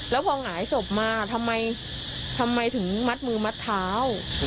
แล้วพอหงายศพมาทำไมทำไมถึงมัดมือมัดเท้า